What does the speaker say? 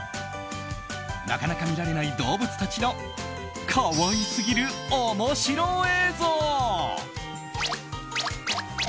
なかなか見られない動物たちの可愛すぎる面白映像。